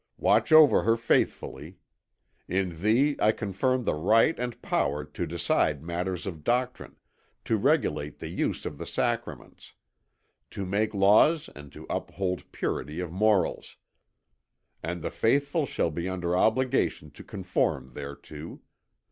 Watch over her faithfully. In thee I confirm the right and power to decide matters of doctrine, to regulate the use of the sacraments, to make laws and to uphold purity of morals. And the faithful shall be under obligation to conform thereto.